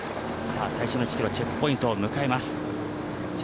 最初の１ｋｍ、チェックポイントを迎えます。